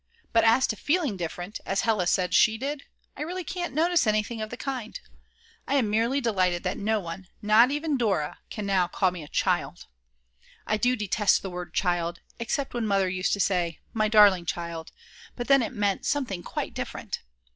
But as to feeling different, as Hella said she did, I really can't notice anything of the kind; I am merely delighted that no one, not even Dora, can now call me a child. I do detest the word "child," except when Mother used to say: "My darling child," but then it meant something quite different.